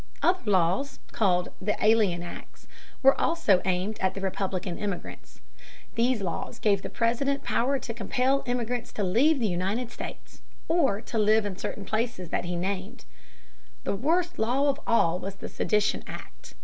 Other laws, called the Alien Acts, were also aimed at the Republican immigrants. These laws gave the President power to compel immigrants to leave the United States, or to live in certain places that he named. The worst law of all was the Sedition Act.